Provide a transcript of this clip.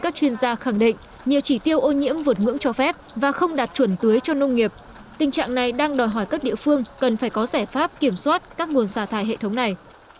các cơ sở sản xuất kinh doanh không đạt chuẩn tưới cho nông nghiệp tình trạng này đang đòi hỏi các địa phương cần phải có giải pháp kiểm soát các nguồn xà thải hệ thống này